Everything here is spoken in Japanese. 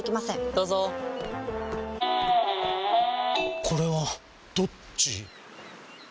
どうぞこれはどっち？